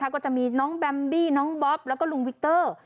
ก็จะมีน้องแบมบี้น้องบ๊อบแล้วก็ลุงวิกเตอร์